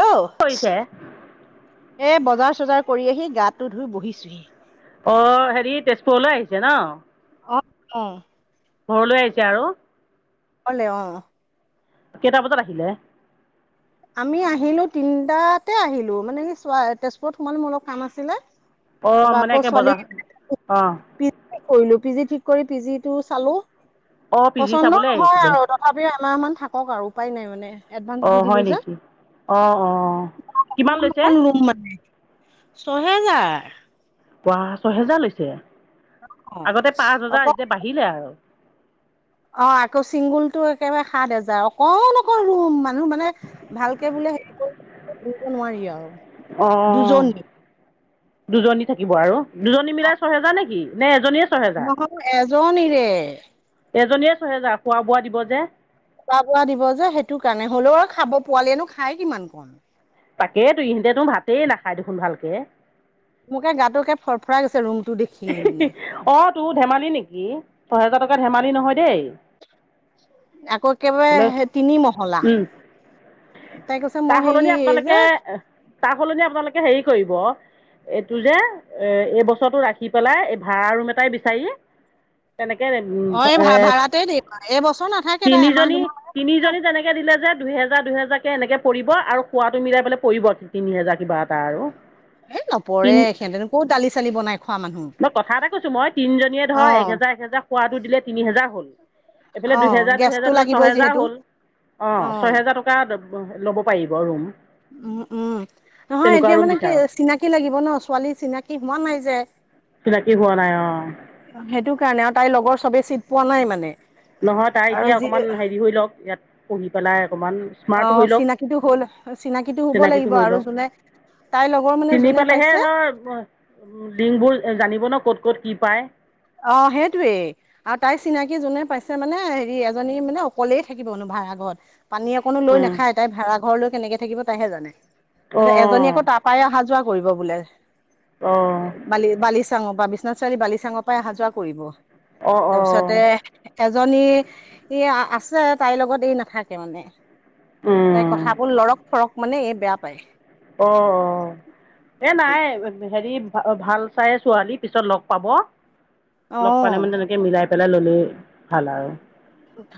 Hello কৰিছে এ বজা চজাৰ কৰি আহি গাটো ধুই বহিছোহি। অ হেৰি তেজপুৰলৈ আহিছে ন? অ-অ। ঘৰলৈ আহিছে আৰু। পলে অ। কেইটা বজাত আহিলে? আমি আহিলো তিনটাতে আহিলো, মানে চোৱা তেজপুৰত সোমালো মোৰ অলপ কাম আছিলে। অ তাৰপা মানে আকৌ একে ছোৱালী বজাৰ অ পিজি কৰিলো, পিজি ঠিক কৰি পি জি টো চালো। অ। পি জি পচন্দ চাবলৈ নহয় আহিছিলে আৰু তথাপিও এমাহমান থাকক আৰু উপায় নাই মানে অ এডভান্স দি হয় দিলো যে। নেকি অ, অ। কিমান অকণ লৈছে? অকণ লুম মানে ছহেজাৰ। পোৱা ছহেজাৰ লৈছে! অ আগতে পাঁচ অক হেজাৰ এতিয়া বাঢ়িলে আৰু। অ আকৌ চিংগুলটো একেবাৰে সাত হাজাৰ। অকণ অকণ ৰুম মানে। মানুহ মানে ভালকে বোলে হেৰিব নোৱাৰি আও। অ দুজনী। দুজনী থাকিব আৰু দুজনী মিলাই ছহেজাৰ নেকি? নে এজনীয়ে ছহেজাৰ? জনীৰে এজনীয়ে ছহেজাৰ। খোৱা বোৱা দিব যে। খোৱা বোৱা দিব যে, সেইটো কাৰণে। হ'লেও আৰু খাব পোৱালিয়েনো খাই কিমান কণ? তাকেটো। ইহেঁতেটো ভাতেই নাখাই দেখোন ভালকে। তোকে গাটোকে ফৰফৰাই গৈছে। ৰুম অ তোৰ ধেমালি নেকি ছহেজাৰ টকা ধেমালি নহয় দেই। আকৌ বোলে একেবাৰে তিনি মহলা। উম, তাই কৈছে মই তাৰ হেৰি সলনি এই যে আপোনালোকে, তাৰ সলনি আপোনালোকে হেৰি কৰিব। এইটো যে এ এই বছৰটো ৰাখি পেলাই এই ভাড়া ৰুম এটাই বিচাৰি তেনেকে অ এই এ ভা ভাড়াতে দিম এই বছৰ নাথাকে তাই এমাহ তিনিজনী দুমাহ তিনিজনী তেনেকে দিলে যে দুহেজাৰ দুহেজাৰ কে এনেকে পৰিব আৰু খোৱাটো মিলাই পেলাই পৰিব তিনি হেজাৰ। কিবা এটা আৰু। এ নপৰে তিন সিহঁতেনো ক'ত দালি চালি বনাই খোৱা মানুহ মই কথা এটা কৈছো মই তিনিজনীয়ে অ ধৰ এ হেজাৰ একহেজাৰ খোৱাটো দিলে তিনি হেজাৰ হ'ল এইফালে অ দুহেজাৰ, গেছটো দুহেজাৰলে লাগিবই ছহেজাৰ যিহেতু হল। অ ছয়হেজাৰ টকা ল'ব পাৰিব ৰুম। উম, উম। নহয় তেনেকুৱা এতিয়া ৰুম মানে কি বিচাৰক চিনাকি লাগিব ন? ছোৱালী চিনাকী হোৱা নাই যে। চিনাকি হোৱা নাই অ। সেইটো কাৰণে আৰু তাইৰ লগৰ চবে চিট পোৱা নাই মানে। নহয় তাই আৰু এতিয়া যি অকমান হেৰি হৈ লওক ইয়াত। পঢ়ি পেলাই অকণমান অ স্মাৰ্ট হৈ লওক চিনাকিটো হ'ল চিনাকিটো হ'ব লাগিব চিনাকিটো হৈ আৰু লওক। যোনে তাইৰ লগৰ মানে চিনি যোনে পালেহে পাইছে ধৰ লিংবোৰ জানিব ন ক'ত ক'ত কি পায়? অ সেইটোৱেই। আৰু তাইৰ চিনাকি যোনে পাইছে মানে হেৰি এজনী মানে অকলেই থাকিব অনুভব। য় আগত পানী অকনো অঁ লৈ নাখায় তাই ভাড়া ঘৰ লৈ কেনেকে থাকিব তাইহে জানে এজনী আকৌ তাৰ পৰাই অহা যোৱা। কৰিব বোলে। অঁ অঁ বালি- বালিচাঙৰ বা বিশ্বনাথ চাৰিআলি বালিচাঙ পাই আহা-যোৱা কৰিব। অহ অহ। এজনী ই আছে তাইৰ লগত এই নাথাকে মানে। তাই কথাবোৰ লৰক-ফৰক মানে এ বেয়া পায়। অহ অহ এ নাই হেৰি। ভাল চাই ছোৱালী পিছত লগ পাব লগ পালে অ মানে তেনেকে মিলাই। পেলাই ল'লে, ভাল আৰু।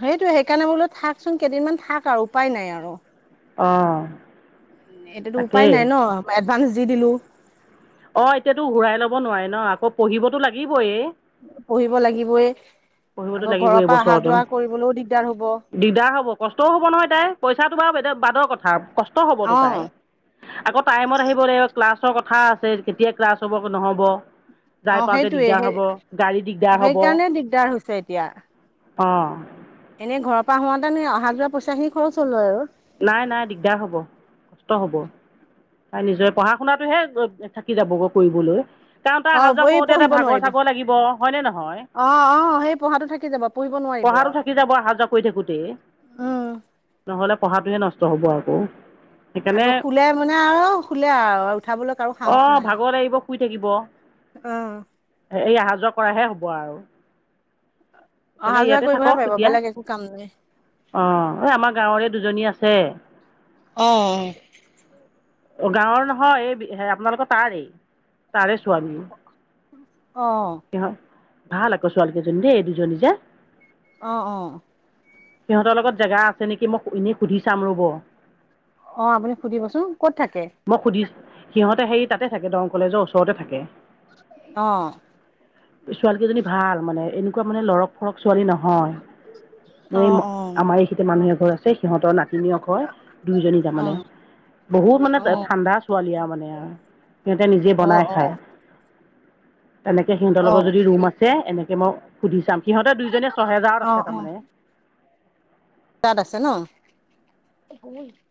সেইটো সেইকাৰণে বোলো থাকচোন কেইদিনমান থাক আৰু উপায় নাই আৰু। অ এইটোতো উপায় তাকেই নাই ন মই এডভান্স দি দিলো। অ এতিয়াতো ঘূৰাই ল'ব নোৱাৰে ন আকৌ পঢ়িবতো লাগিবয়ে। পঢ়িব লাগিবয়ে। পঢ়িবতো আকৌ লাগিবই ঘৰৰ এই পৰা বছৰতো অহা-যোৱা কৰিবলৈও দিগদা দিগদাৰ হ'ব কষ্টও হ'ব নহয় তাই পইচাটো বাও বাদৰ কথা। কষ্ট হবতো অ তাই। আকৌ টাইমত আহিব লাগিব, ক্লাছৰ ক কথা আছে কেতিয়া ক্লাছ হ'ব নহ'ব। অ যাই পাওঁতে সেইটোয়ে দিগদাৰ সেই হ'ব, গাড়ী দিগদাৰ হব। সেইকাৰণে দিগদাৰ হৈছে এতিয়া। অ'। এনে ঘৰৰ পৰা হোৱাতেনে অহা-যোৱা পইচাখিনি খৰচ হ'ল হয় বাৰু। নাই - নাই, দিগদাৰ হ'ব। কষ্ট হ'ব। তাই নিজৰে পঢ়া শুনাতটোহে থাকি যাবগৈ কৰিবলৈ। তাৰ অ অহা যোৱা এই কৰোঁতে এটা পঢ়িব ভাগৰ নোৱাৰিব চাগৰ লাগিব হয়নে নহয়। অ অ সেই পঢ়াটো থাকি যাব পঢ়িব নোৱাৰিব পঢ়াটো আৰু থাকি যাব আহা-যোৱা কৰি থাকোঁতে। উম নহ'লে পঢ়াটোয়ে নষ্ট হ'ব আকৌ। আকৌ সেইকাৰণে- শুলে মানে আৰু শুলে আৰু উঠাবলৈ কাৰো সাহস অ' নাই আৰু ভাগৰ লাগিব, শুই থাকিব। অ এই অহা যোৱা কৰাহে হ'ব আৰু। অহা সেইকাৰণে যোৱা ইয়াতে কৰিবহে থাকক পাৰিব এতিয়া বেলেগ একো কাম নাই অহ আমাৰ গাঁৱৰে। আজি আছে। অ'। অ' গাঁৱৰ নহয়, এই হে- আপোনালোকৰ তাৰেই। তাৰে ছোৱালী। অহ। সিহঁত ভাল আকৌ ছোৱালী কেইজনী দেই, এই দুজনী যে। অ' - অ'। সিহঁতৰ লগত জেগা আছে নেকি মই এনেই সুধি চাম ৰব অ' আপুনি সুধিবচোন। ক'ত থাকে? মই সুধি সিহঁতে হেৰি তাতে থাকে দং কলেজৰ ওচৰতে থাকে। অহ ছোৱালী কেইজনী ভাল, মানে এনেকুৱা মানে লৰক-ফৰক ছোৱালী নহয় আমাৰ এই অ', অ', আমাৰ এইখিনিতে মানুহ এঘৰ আছে। সিহঁতৰ নাতি আকৈ দুইজনী তাৰমানে। অ', বহুত মানে অ', ঠাণ্ডা ছোৱালী আৰু মানে সিহঁতে নিজে অ', বনাই অ'। খায়। তেনেকে সিহঁতৰ লগৰ অ', যদি ৰুম আছে এনেকে মই সুধি চাম। সিহঁতে দুইজনীয়ে ছহেজাৰত অ', আছে অ', তাৰমানে। তাত আছে ন।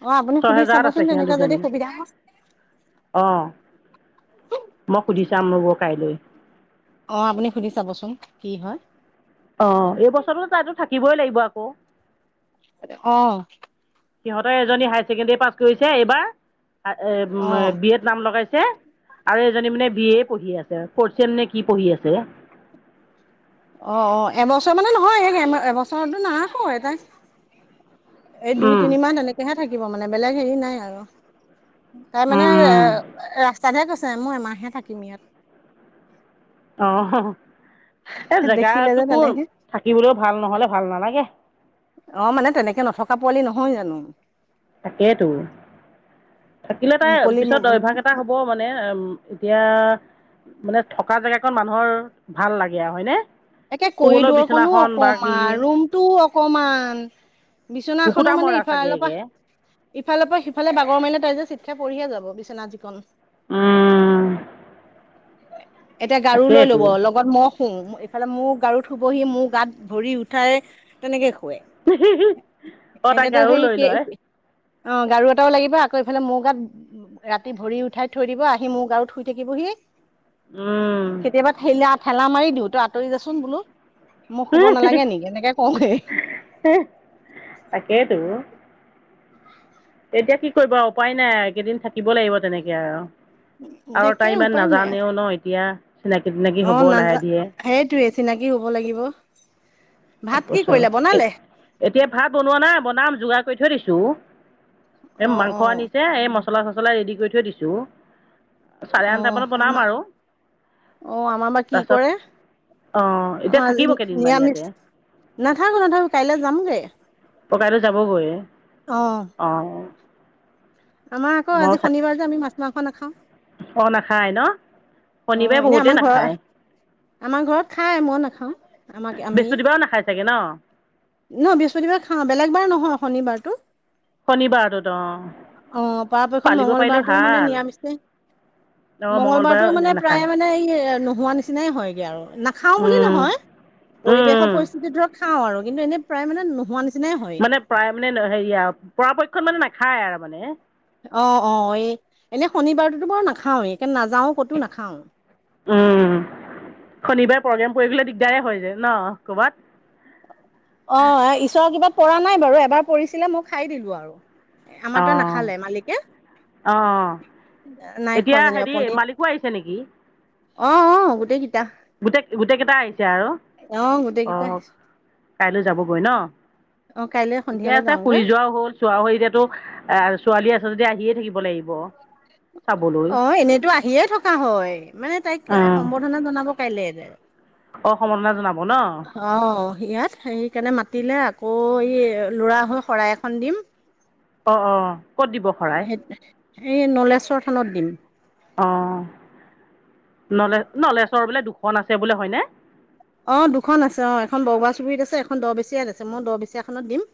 অ আপুনি সুধি ছহেজাৰত আছে চাবচোন সিহঁত তেনেকুৱা যদি দুজনী সুবিধা হয় অ মই সুধি চাম ৰব কাইলৈ। অহ আপুনি সুধি চাবচোন কি হয়। অ' এই বছৰটো তাইতো থাকিবই লাগিব আকৌ। অ'। সিহঁতৰে এজনী হায়াৰ ছেকেণ্ডৰী পাছ কৰিছে এইবাৰ, অ', অ', এ বি এত নাম লগাইছে। আৰু এজনী মানে বি এ পঢ়ি আছে। ফৰ চেম নে কি পঢ়ি আছে। অ' অ' এবছৰ মানে নহয় এবছৰতো নাৰাখোয়ে তাইক। এই দুই, তিনি মাহ তেনেকেহে থাকিব মানে, বেলেগ হেৰি নাই আৰু। তাৰ মানে ৰাস্তাতহে কৈছে। মই এমাহহে থাকিম ইয়াত। অ হ হ এ দেখিলে যে জেগাটোকো তেনেকে থাকিবলৈ ভাল নহলে ভাল নালাগে। অ মানে তেনেকে নথকা পোৱালি নহয় জানো। তাকেতো থাকিলে তাই পিছত মুকলি অভ্যাস এটা হ'ব মানে, উম। এতিয়া মানে থকা জেগাকণ মানুহৰ ভাল লাগে আৰু হয়নে? একে শুবলৈ কৰিডৰকনো বিচনাখন বা কি অকমান, ৰুমটোও অকমান বিচনাখনো কুকুটা মানে মৰা ইফালৰ পা চাগেগে ইফালৰ পৰা সিফালে বাগৰ মাৰিলে তাই যে চিৎ খাই পৰিহে যাব বিচনা যিকণ। উম। এতিয়া গাৰু লৈ ল'ব, তাকেইতো লগত মই শুম। ইফালে মোৰ গাৰুত শুবহি। মোৰ গাত ভৰি উঠাই তেনেকে শুৱে। [unintelligible] অ' তাই গাৰো সেই লৈ লয় [unintelligible] অ' গাৰু এটাও লাগিব। আকৌ ইফালে মোৰ গাত ৰাতি ভৰি উঠাই থৈ দিব, আহি মোৰ গাৰুত শুই থাকিব। [unintelligible] উম কেতিয়াবা ঠেইলা - ঠেলা মাৰি দিও তই আঁতৰি যাচোন বোলো। মোক শুব নালাগে নেকি এনেকে কওঁগে। তাকেটো। এতিয়া কি কৰিব আৰু উপায় নাই আৰু এইকেইদিন থাকিব লাগিব তেনেকে আৰু। আৰু তাকে তাই ইমান উপায় নাই নাজানেও ন এতিয়া। চিনাকি থিনাকি হ'ব লাহে ধিৰে। চিনাকী হ'ব লাগিব। [inaudible] এক ভাত কি বছৰ, কৰিলে বনালে? এতিয়া ভাত বনোৱা নাই বনাম যোগাৰ কৰি থৈ দিছো। এই অ', মাংস অ'। আনিছে এই মছলা চচলা ৰেডি কৰি থৈ দিছোঁ চাৰে আঠটা অ', মানত বনাম আমাৰ আৰু। অ আমাৰ বা কি তাৰপাছত কৰে? অঁ অ এতিয়া আজি থাকিব কেইদিনমান ইয়াতে নিৰামিষ। নাথাকো, নাথাকো। কাইলৈ যামগে। ককাইদেউ যাবগৈ, অ', অ'। আমাৰ আকৌ আজি শনিবাৰ যে আমি মাছ মাংস নাখাওঁ। অঁ নাখায় ন শনিবাৰে অ' এনে বহুতে আমাৰ ঘৰৰ নাখায় আমাৰ ঘৰত খাই, মই নাখাওঁ। আমাক আমি বৃহস্পতিবাৰেও নাখায় চাগে ন বৃহস্পতিবাৰ খাওঁ বেলেগ বাৰ নহয় শনিবাৰ। শনিবাৰটোত অ'। অ', পৰাপক্ষত পালিব পাৰিলে মঙ্গলবাৰটো মানে ভাল। নিৰামিষে অ মঙ্গলবাৰটো মঙ্গলবাৰৰ মানে [unintelligible] প্ৰায় মানে এই নোহোৱা নিচিনাই হয়গে আৰু। নাখাও বুলি উম নহয়, উম পৰিৱেশত পৰিস্থিতি ধৰক খাওঁ আৰু কিন্তু এনেই প্ৰায় মানে নোহোৱা নিচ মানে প্ৰায় মানে হেৰিয়া পৰাপক্ষত মানে নাখায় আৰু মানে। অ' অ' এই এনে শনিবাৰটোতো বাৰু নাখাওঁৱে। নাযাওঁ ক'তো নাখাওঁ। উম শনিবাৰে প্ৰগ্ৰেম কৰি দিলে দিগদাৰে হয় যায় ন' ক'বাত? অ' ঈশ্বৰৰ কিপাত পৰা নাই বাৰু, এবাৰ পৰিছিলে মই খাই দিলো আৰু। আমাৰটোৱে নাখালে মালিকে। নাই অ' এতিয়া খোৱা যেনিবা হেৰি পনীৰ মালিকো আহিছে নেকি? অ' অ' গোটেকিটা। গোটে গোটেকেটা আহিছে আৰু, গোটেইকেইটা অ' আহিছো, কাইলৈ যাবগৈ ন? অ', কাইলৈ ঠিকে সন্ধিয়ালৈ আছে ফুৰি যামগৈ যোৱাও হ'ল চোৱা হৈ এতিয়াতো এ ছোৱালী আছে যদি আহিয়ে থাকিব। আহিব। অ' এনেইতো আহিয়ে থকা হয় মানে তাইক অঁ সম্বৰ্ধনা জনাব। কাইলে যে সম্বৰ্ধনা জনাব ন অ, ইয়াত সেইকাৰণে মাতিলে। আকৌ এই ল'ৰা হৈ শৰাই এখন দিম অ' অ' ক'ত দিব শৰাই। সেই এই নলেশ্বৰ থানত দিম। অ' নলেজ নলেজৰ বোলে দুখন আছে বোলে হয়নে? অ, দুখন আছে অ, এখন বৰুৱা চুবুৰীত আছে, এখন দহ বেচীয়াত আছে মই দহ বেচীয়াখনত দিম।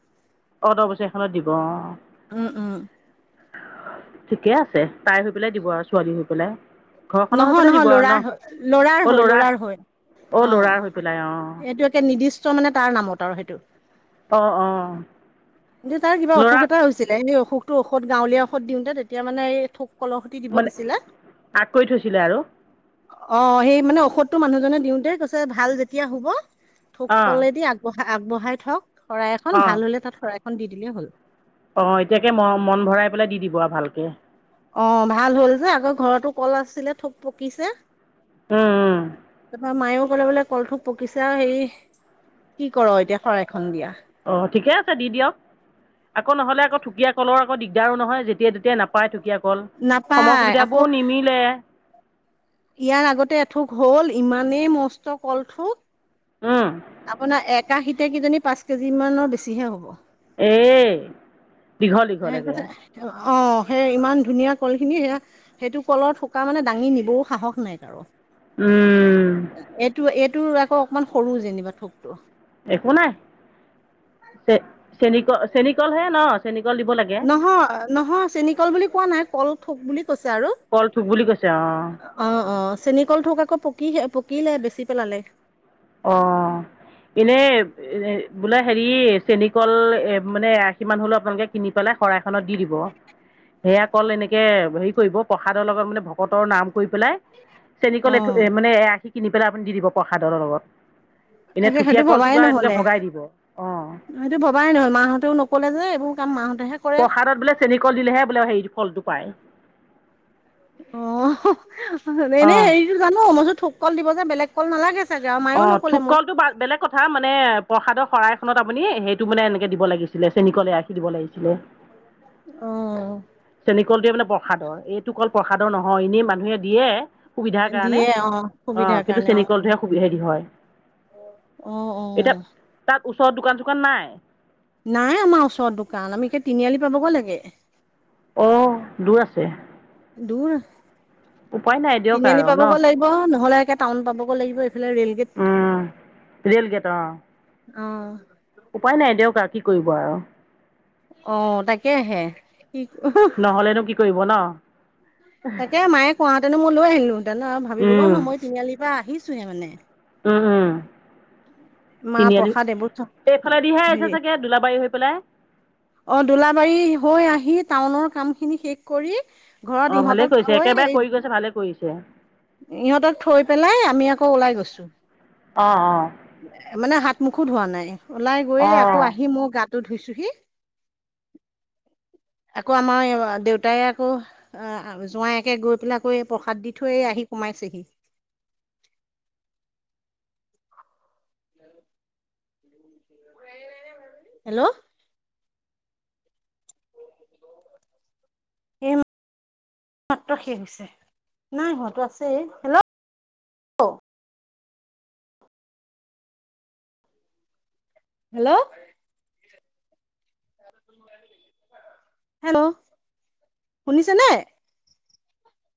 অ, দহ বছৰ এখনত দিব অ, উম উম ঠিকে আছে, তাই হৈ পেলাই দিব আৰু ছোৱালী হৈ পেলাই। ঘৰখনৰ হৈ নহয়- পেলাই নহয় দিব আৰু ন লৰাৰ- লৰাৰ হৈ - লৰাৰ হৈ। অঁ অ, ল'ৰাৰ হৈ পেলাই অঁ সেইটো একে নিৰ্দিষ্ট মানে তাৰ নামত আৰু সেইটো। অঁ অঁ কিন্তু তাৰ কিবা ল'ৰা অসুখ এটা হৈছিলে এনে অসুখ। টো ঔষধ গাঁৱলীয়া ঔষধ দিওঁতে তেতিয়া মানে এই থোক কলহৰ সুতি দিব দিছিলে। ছিলে আৰু। অ, সেই মানে ঔষধটো মানুহজনে দিওতে কৈছে ভাল যেতিয়া হব থোক অঁ কলেদি আগবঢাই আগবঢ়াই থক শৰাই এখন ভাল হলে তাত শৰাই এখন দি দিলেই হ'ল। অ, এতিয়াকে ম মন ভৰাই পেলাই দি দিব আৰু ভালকে অ' ভাল হ'ল যে আগৰ ঘৰতো কল আছিলে থোক পকিছে। উম - উম। তাৰপৰা মায়েও ক'লে বোলে কলথ পকিছো হেই কি কৰ এতিয়া শৰাইখন দিয়া। অ' ঠিকে আছে দি দিয়ক। আকৌ নহ'লে আকৌ ঠুকীয়া কলৰ দিগদাৰো নহয় যেতিয়া তেতিয়া নাপায়। ঢুকীয়া সময় নাপায় আকৌ সুবিধাবোৰ নিমিলে। ইয়াৰ আগতে এথোক হল ইমানেই মস্ত উম, কলথোক আপোনাৰ এককাশীতে কিজানি পাঁচ কেজি মানৰ বেছিহে হ'ব। এ দীঘল- দীঘল একে কৈছে অ, সেই ইমান ধুনীয়া কলখিনি সেয়া সেইটো কলৰ থোকা মানে দাঙি নিবও সাহস নাই কাৰো। এইটো - এইটোৰ আকৌ অকমান সৰু যেনিবা থোকটো একো নাই চ চেনী চেনি কলহে ন? চেনিকল দিব লাগে। নহয় ছে আৰু কল থোক বুলি কৈছে অঁ অ' অ' চেনিকল থোক আকৌ পকি পকিলে বেছি পেলালে। অ', এনেই এ বোলে হেৰি চেনিকল এ মানে এ আশী মান হলেও আপোনালোকে কিনি পালে শৰাই খনত দি দিব সেয়া অকল এনেকে হেৰি কৰিব প্ৰসাদৰ লগত মানে ভকতৰ নাম কৰি পেলাই চেনিকল অ এ মানে এআখি কিনি পেলাই আপুনি দি দিব প্ৰসাদৰ লগত। এনে তাকে সেইটো ঢুকীয়া কলটো ভবাই বাৰু এনেকে নহলে। ভগাই দিব অঁ সেইটো ভবাই নহয়। মাহঁতেও নকলে যে এইবোৰ কাম মাহতে প্ৰসাদত বোলে। চেনিকল দিলেহে বোলে হেৰি ফলটো পায়। অ, এনে অঁ হেৰিতো জানো মইছো থোক কল দিব যে বেলেগ কল নালাগে। চাগে আৰু মায়েও অ' নকলে থোক মোক কলটো বেলেগ কথা মানে প্ৰসাদৰ শৰাই আপুনি সেইটো মানে এনেকে দিব লাগছিলে চেনীকলে আহখি দিব লাগিছিল। আহ কলটো বোলে বৰসাদৰ এইটো ক প্ৰসাদৰ নহয় এনেই মানুহে দিয়ে সুবিধাৰ কাৰণে দিয়ে অ অ, সুবিধাৰ কিন্তু কাৰণে অ চেনিকল টোৱে অ অ এতিয়া তাত ওচৰত দোকান চোকান নাই? নাই আমাৰ ওচৰত দোকান আমি সেই তিনিআলি পাবগৈ লাগে। অ, দূৰ আছে। দূৰ আছে, উপায় নাই দিয়ক তিনিআলি আৰু ন পাবগৈ লাগিব নহ'লে একে টাউন পাবগৈ লাগিব। এইফালে ৰেলগেট উম ৰেলগেট অঁ। অঁ। উপায় নাই দিয়ক আৰু কি কৰিব আৰু। অ তাকেহে। কি নহলেনো কি কৰিব ন? তাকে মায়ে কোৱাহেঁতেন মই লৈ আহিলো হেতেন ন আৰু ভাবিবলৈও উম, ন মই তিনিআলিৰ পৰা আহিছোহে মানে। উম উম। মাহ তিনিআলি প্ৰসাদ এইবোৰ এইফালেদিহে আহিছে হেৰি চাগে দোলাবাৰী হৈ পেলাই? অ দোলাবাৰী হৈ আহি টাউনৰ কাম খিনি শেষ কৰি ঘৰত অ' ভালেই ইহঁতক কৰিছে থৈ একেবাৰে এই কৰি গৈছে ভালে কৰিছে ইহঁতক থৈ পেলাই আমি আকৌ ওলাই গৈছো। অ' অ' মানে হাত মুখো ধুৱা হোৱা নাই ওলাই গৈয়ে আকৌ অ' আহি মই গাটো ধুইছোঁহি। [inaudible] আকৌ আমাৰ দেউতাই আকৌ জোঁৱাইকে গৈ পেলাই এই প্ৰসাদ দি থৈ আহি সোমাইছেহি। [inaudible] হেল্ল'! এ মাত্ৰ শেষ হৈছে, নাই হোৱাটো আছেই। হেল্ল'! হেল্ল'! হেল্ল' শুনিছে নে?